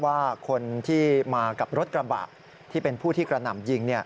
ว่าคนที่มากับรถกระบะที่เป็นผู้ที่กระหน่ำยิง